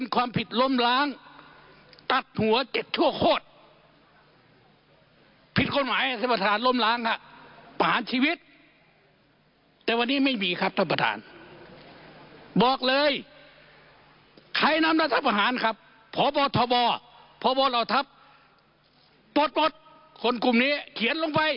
กลุ่มนี้เขียนลงไป